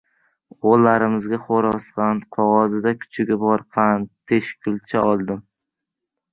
O‘g‘illarimizga xo‘rozqand, qog‘ozida kuchugi bor qand, teshikkulcha oldim.